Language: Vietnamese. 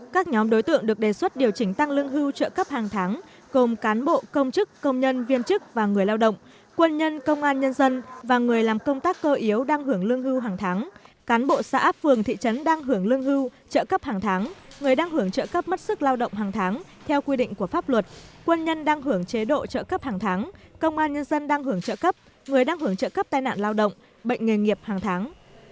các nhóm đối tượng được đề xuất điều chỉnh tăng lương hưu trợ cấp hàng tháng gồm cán bộ công chức công nhân viên chức và người lao động quân nhân công an nhân dân và người làm công tác cơ yếu đang hưởng lương hưu hàng tháng cán bộ xã áp phường thị trấn đang hưởng lương hưu trợ cấp hàng tháng người đang hưởng trợ cấp mất sức lao động hàng tháng theo quy định của pháp luật quân nhân đang hưởng chế độ trợ cấp hàng tháng công an nhân dân đang hưởng trợ cấp người đang hưởng trợ cấp tai nạn lao động bệnh nghề nghiệp hàng tháng